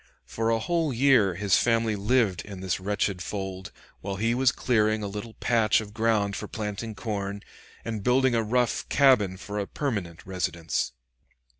For a whole year his family lived in this wretched fold, while he was clearing a little patch of ground for planting corn, and building a rough cabin for a permanent residence.